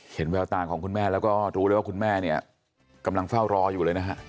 แววตาของคุณแม่แล้วก็รู้เลยว่าคุณแม่เนี่ยกำลังเฝ้ารออยู่เลยนะฮะ